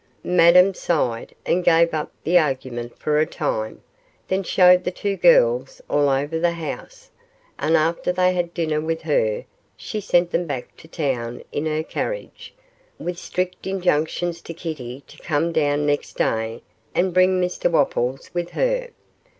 Madame sighed, and gave up the argument for a time, then showed the two girls all over the house, and after they had dinner with her, she sent them back to town in her carriage, with strict injunctions to Kitty to come down next day and bring Mr Wopples with her.